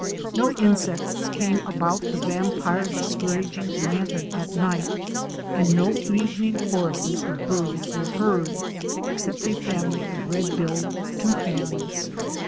No insects came about the vampire discouraging lantern at night and no evening choruses of birds were heard except a family of Red billed Toucans.